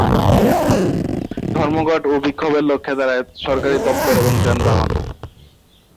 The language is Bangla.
ধর্মঘটে এবং বিক্ষোভের লক্ষ্য হয়ে দাড়ায় সরকারী দপ্তর এবং যানবাহন।